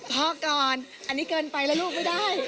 พอก่อนอันนี้เกินไปแล้วลูกไม่ได้